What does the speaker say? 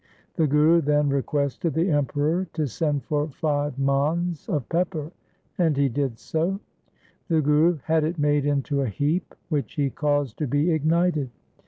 The Guru then requested the Emperor to send for five mans of pepper, and he did so. The Guru had it made into a heap which he caused to be ignited.